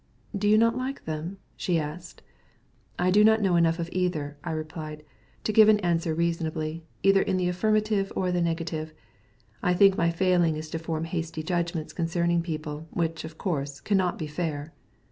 "Do you not like them?" she asked. "I do not know enough of either," I replied, "to give an answer reasonably, either in the affirmative or the negative. I think my failing is to form hasty judgments concerning people, which, of course, cannot be fair."